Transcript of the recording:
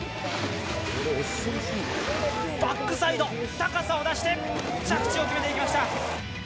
バックサイド、高さを出して、着地を決めていきました。